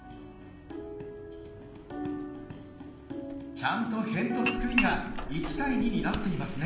ちゃんとへんとつくりが１対２になっていますね。